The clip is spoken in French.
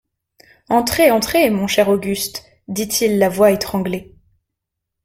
Entrez, entrez, mon cher Auguste, dit-il la voix étranglée.